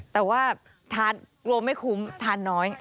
แต่ว่าทานกลัวไม่คุ้มทานน้อย